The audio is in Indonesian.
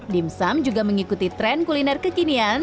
dimsum juga mengikuti tren kuliner kekinian